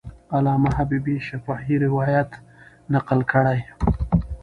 علامه حبیبي شفاهي روایت نقل کړی.